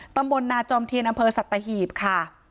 ตำบลนาจอมเทียนอำเภอสัตหีบค่ะ